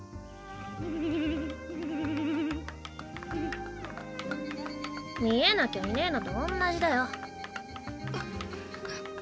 うううう見えなきゃいねぇのとおんなじだよんっ